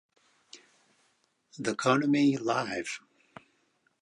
The Konami Live!